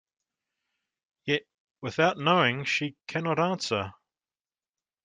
Yet without knowing she cannot answer.